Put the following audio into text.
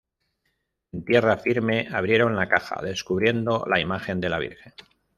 En tierra firme abrieron la caja, descubriendo la imagen de la Virgen.